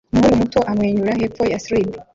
Umuhungu muto amwenyura hepfo ya slide